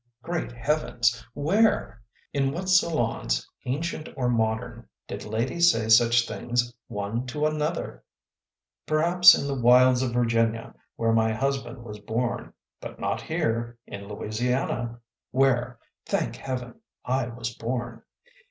Great heavens! Where? In what salons ancient or modern did ladies say such things one to another ? Per haps in the wilds of Virginia, where my husband was born, but not here in Louisiana, where, thank heaven! I was born.